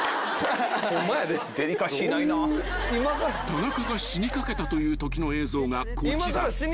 ［田中が死にかけたというときの映像がこちら］